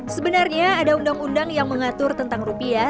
sebenarnya ada undang undang yang mengatur tentang rupiah